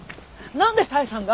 なんで佐恵さんが！？